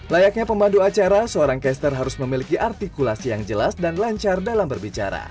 layaknya pemandu acara seorang caster harus memiliki artikulasi yang jelas dan lancar dalam berbicara